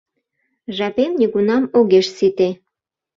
Жапем нигунам огеш сите